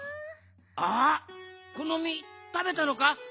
あっこのみたべたのか？